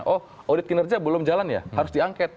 oh audit kinerja belum jalan ya harus diangket